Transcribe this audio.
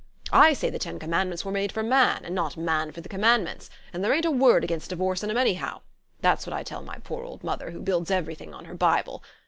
I say the Ten Commandments were made for man, and not man for the Commandments; and there ain't a word against divorce in 'em, anyhow! That's what I tell my poor old mother, who builds everything on her Bible.